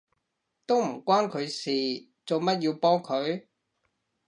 都唔關佢事，做乜要幫佢？